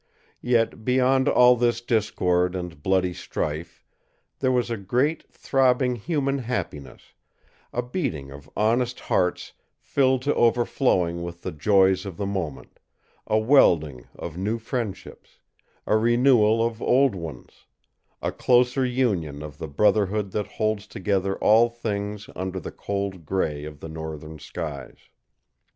Yet beyond all this discord and bloody strife there was a great, throbbing human happiness a beating of honest hearts filled to overflowing with the joys of the moment, a welding of new friendships, a renewal of old ones, a closer union of the brotherhood that holds together all things under the cold gray of the northern skies.